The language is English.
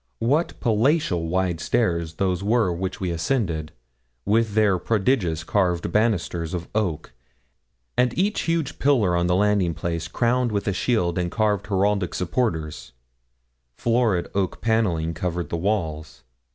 What palatial wide stairs those were which we ascended, with their prodigious carved banisters of oak, and each huge pillar on the landing place crowned with a shield and carved heraldic supporters; florid oak panelling covered the walls.